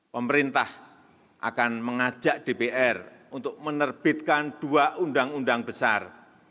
pemerintah akan mengajak dpr untuk menerbitkan dua undang undang besar